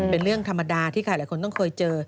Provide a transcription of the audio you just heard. เป็นเรื่องธรรมดาที่ใครหลายคนต้องเคยเจอ